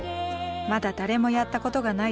まだ誰もやったことがない